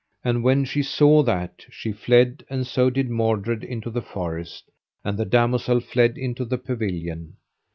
And when she saw that, she fled, and so did Mordred into the forest, and the damosel fled into the pavilion.